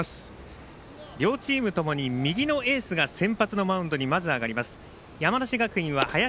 両チームともに右のエースが先発のマウンドに上がります。